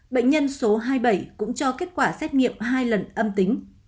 bệnh nhân số hai mươi bảy cũng cho kết quả xét nghiệm hai lần âm tính